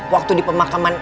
waktu di pemakaman